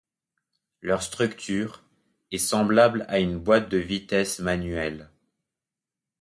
Leur structure est semblable à une boîte de vitesses manuelle.